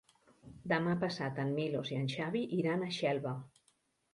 Demà passat en Milos i en Xavi iran a Xelva.